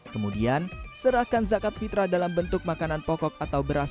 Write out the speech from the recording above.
kemudian serahkan zakat fitrah dalam bentuk makanan pokok atau beras